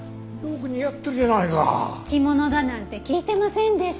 着物だなんて聞いてませんでした。